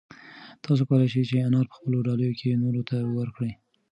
تاسو کولای شئ چې انار په خپلو ډالیو کې نورو ته ورکړئ.